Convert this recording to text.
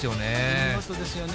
見事ですよね。